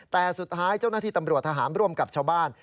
แต่สุดท้ายเจ้าหน้าที่ตำรวจทหารร่วมกับชาวบ้าน